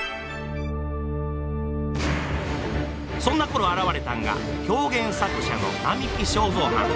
そんなころ現れたんが狂言作者の並木正三はん。